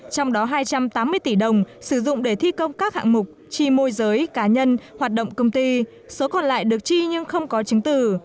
trong đó hai trăm tám mươi tỷ đồng sử dụng để thi công các hạng mục chi môi giới cá nhân hoạt động công ty số còn lại được chi nhưng không có chứng tử